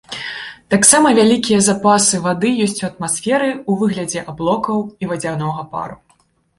Таксама вялікія запасы вады ёсць у атмасферы, у выглядзе аблокаў і вадзянога пару.